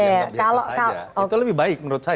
itu lebih baik menurut saya